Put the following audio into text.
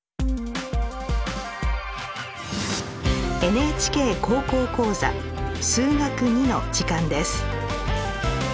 「ＮＨＫ高校講座数学Ⅱ」の時間です。